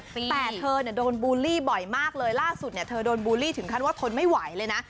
แต่เธอโดนบูลลี่บ่อยมากเลยล่าสุดเนี่ยเธอโดนบูลลี่ถึงขั้นว่าทนไม่ไหวเลยนะ